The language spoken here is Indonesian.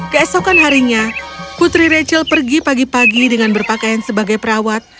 keesokan harinya putri rachel pergi pagi pagi dengan berpakaian sebagai perawat